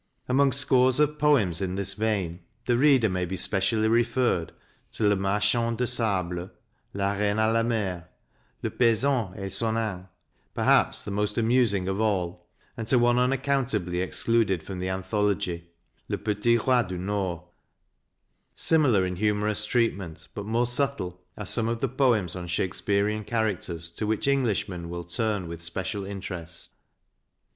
Among scores of poems in this vein the reader may be specially referred to " Le Marchand de Sable," " La Reine a la mer," " Le Paysan et son ane," per haps the most amusing of all, and to one unaccount ably excluded from the anthology, " Le petit roi du Nord." Similar in humorous treatment, but more subtle, are some of the poems on Shakespearean characters, to which Englishmen will turn with special interest.